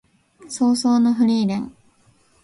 葬送のフリーレン